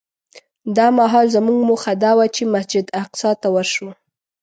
دا مهال زموږ موخه دا وه چې مسجد اقصی ته ورشو.